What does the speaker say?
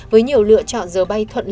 với nhiều lựa chọn giờ bay thuộc tầng